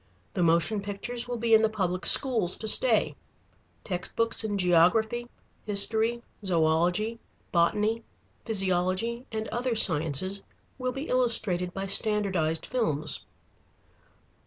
The motion pictures will be in the public schools to stay. Text books in geography, history, zoõlogy, botany, physiology, and other sciences will be illustrated by standardized films.